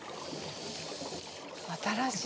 新しい。